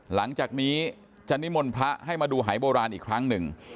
หลังจากนี้จะนิมนต์พระให้มาดูหายโบราณอีกครั้งหนึ่ง